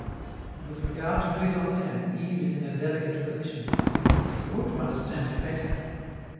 But with regard to Chrysantheme, Yves is in a delicate position, and he ought to understand it better.